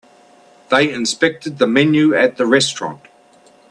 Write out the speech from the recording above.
They inspected the menu at the restaurant.